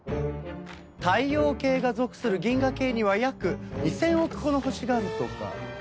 太陽系が属する銀河系には約２０００億個の星があるとか。